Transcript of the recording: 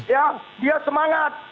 ya dia semangat